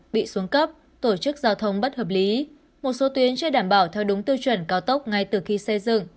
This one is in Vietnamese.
bị xuống cấp tổ chức giao thông bất hợp lý một số tuyến chưa đảm bảo theo đúng tiêu chuẩn cao tốc ngay từ khi xây dựng